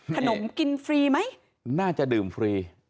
ขนมกินฟรีไหมน่าจะดื่มฟรี